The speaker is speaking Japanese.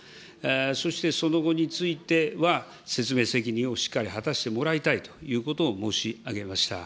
そしてその後については、説明責任をしっかり果たしてもらいたいということを申し上げました。